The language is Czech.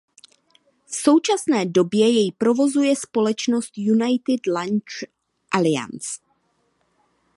V současné době jej provozuje společnost United Launch Alliance.